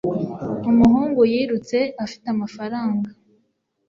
umuhungu yirutse afite amafaranga